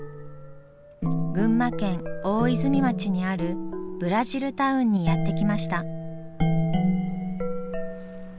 群馬県大泉町にあるブラジルタウンにやって来ました。